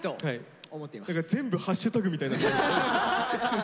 何か全部ハッシュタグみたいに。